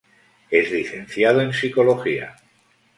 Es licenciado en psicología.